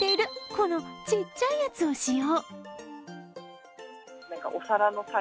この、ちっちゃいやつを使用。